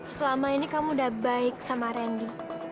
selama ini kamu udah baik sama randy